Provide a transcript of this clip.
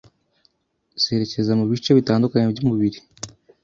zerekeza mu bice bitandukanye by’umubiri”.